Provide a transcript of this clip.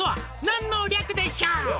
「何の略でしょう？」